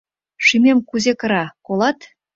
Шӱмем кузе кыра, колат?